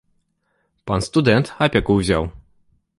Пан студэнт апеку ўзяў.